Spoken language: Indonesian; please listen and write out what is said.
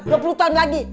dua puluh tahun lagi